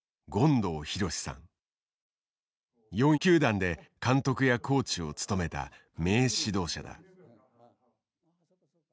４球団で監督やコーチを務めた名指導者だ。